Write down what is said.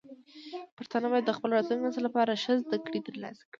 پښتانه باید د خپل راتلونکي نسل لپاره ښه زده کړې ترلاسه کړي.